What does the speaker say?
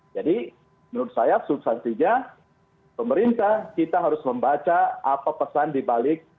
jadi menurut saya sebesarnya pemerintah kita harus membaca apa pesan dibalik